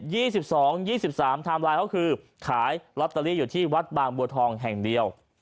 สิบสองยี่สิบสามไทม์ไลน์ก็คือขายลอตเตอรี่อยู่ที่วัดบางบัวทองแห่งเดียว